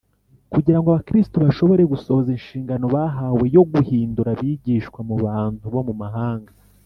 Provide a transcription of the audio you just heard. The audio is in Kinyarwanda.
Kugira ngo abakristo bashobore gusohoza inshingano bahawe yo guhindura abigishwa mu bantu bo mu mahanga